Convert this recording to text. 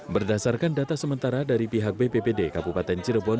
berdasarkan data sementara dari pihak bppd kabupaten cirebon